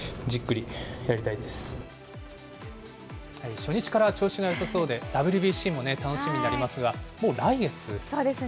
初日から調子がよさそうで、ＷＢＣも楽しみになりますが、もう来月ですよね。